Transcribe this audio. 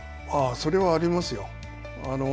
それはありますよ。